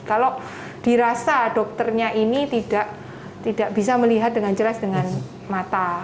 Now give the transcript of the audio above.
kalau dirasa dokternya ini tidak bisa melihat dengan jelas dengan mata